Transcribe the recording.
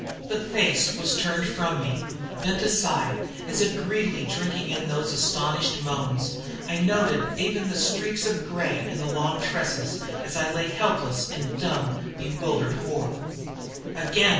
The face was turned from me, bent aside, as if greedily drinking in those astonished moans; I noted even the streaks of gray in the long tresses, as I lay helpless in dumb, bewildered horror. "Again!"